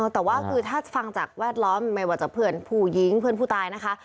แต่ว่าคือถ้าฟังจากแวดล้อมไม่ว่าจะเพื่อนผู้หญิงเพื่อนผู้ตายนะคะ